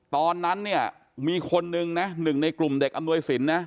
ตอนนั้นเนี่ยมีคนนึงนะหนึ่งในกลุ่มเด็กอำนวยสินนะ